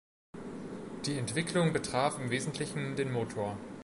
Die Entwicklung betraf im Wesentlichen den Motor.